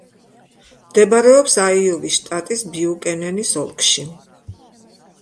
მდებარეობს აიოვის შტატის ბიუკენენის ოლქში.